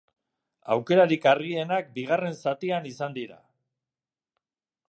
Aukerarik argienak bigarren zatian izan dira.